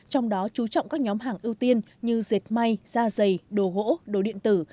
trong đó chú trọng các nhóm hàng ưu tiên như dệt may da dày đồ gỗ đồ điện tử